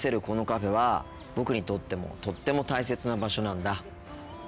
このカフェは僕にとってもとっても大切な場所なんだ。